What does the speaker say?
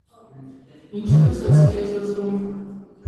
Ֆոսֆատի մշակման խոշոր կենտրոն է։